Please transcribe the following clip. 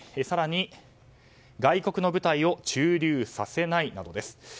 更に、外国の部隊を駐留させないなどです。